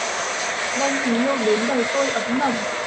Đem tình yêu đến đời tôi ấm nồng.